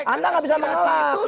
anda nggak bisa mengalah